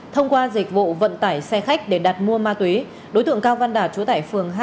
thông qua dịch vụ vận tải xe khách để đặt mua ma túy đối tượng cao văn đạt trú tại phường hai